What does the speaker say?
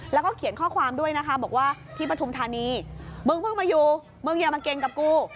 แล้วก็เขียนข้อความด้วยนะคะบอกว่าที่ปฐุมธานีมึงเพิ่งมาอยู่มึงอย่ามาเก่งกับกู